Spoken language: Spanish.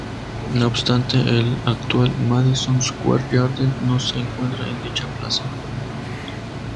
No obstante, el actual Madison Square Garden no se encuentra en dicha plaza.